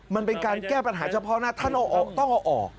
มันเป็นการแก้ปัญหาเฉพาะหน้าท่านเอาออกต้องเอาออก